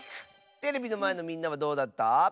テレビのまえのみんなはどうだった？